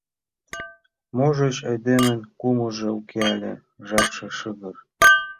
Можыч, айдемын кумылжо уке але жапше шыгыр.